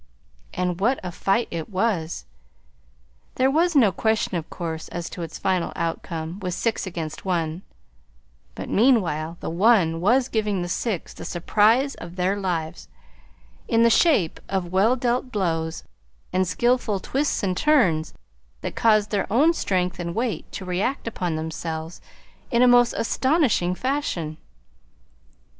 And what a fight it was! There was no question, of course, as to its final outcome, with six against one; but meanwhile the one was giving the six the surprise of their lives in the shape of well dealt blows and skillful twists and turns that caused their own strength and weight to react upon themselves in a most astonishing fashion.